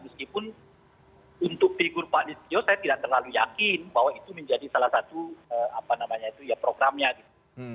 meskipun untuk figur pak listio saya tidak terlalu yakin bahwa itu menjadi salah satu apa namanya itu ya programnya gitu